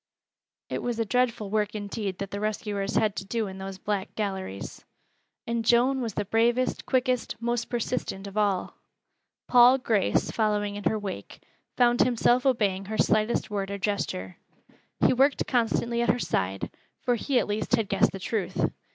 It was a dreadful work indeed that the rescuers had to do in those black galleries. And Joan was the bravest, quickest, most persistent of all. Paul Grace, following in her wake, found himself obeying her slightest word or gesture. He worked constantly at her side, for he at least had guessed the truth.